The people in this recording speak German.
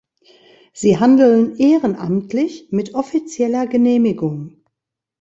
Sie handeln ehrenamtlich mit offizieller Genehmigung.